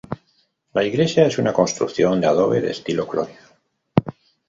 La iglesia es una construcción de adobe de estilo colonial.